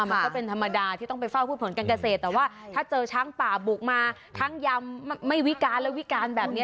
มันก็เป็นธรรมดาที่ต้องไปเฝ้าพืชผลการเกษตรแต่ว่าถ้าเจอช้างป่าบุกมาทั้งยำไม่วิการและวิการแบบนี้